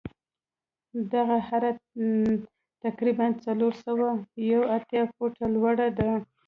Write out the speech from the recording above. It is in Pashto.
دغه هرم تقریبآ څلور سوه یو اتیا فوټه لوړ دی.